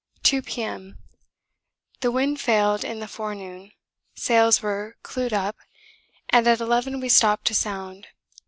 2 P.M. The wind failed in the forenoon. Sails were clewed up, and at eleven we stopped to sound.